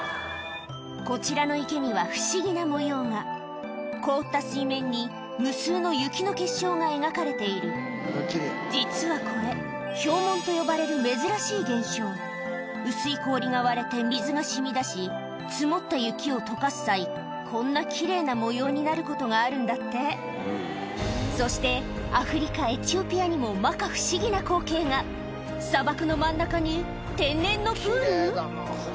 こちらの池には不思議な模様が凍った水面に無数の雪の結晶が描かれている実はこれ氷紋と呼ばれる珍しい現象薄い氷が割れて水が染み出し積もった雪を解かす際こんな奇麗な模様になることがあるんだってそしてアフリカエチオピアにも摩訶不思議な光景が砂漠の真ん中に天然のプール？